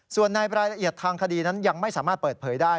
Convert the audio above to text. ส่วนในรายละเอียดทางคดีนั้นยังไม่สามารถเปิดเผยได้